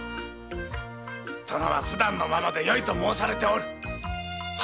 殿はフダンのままでよいと申されておる。